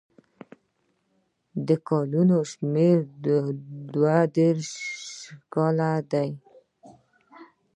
د کلونو شمېر دوه دېرش کاله دی.